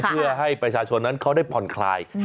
เพื่อให้ประชาชนนั้นเขาได้ผ่อนคลาย